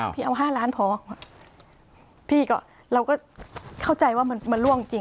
พี่เอา๕ล้านพอพี่ก็เราก็เข้าใจว่ามันล่วงจริง